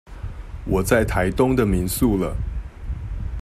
我在台東的民宿了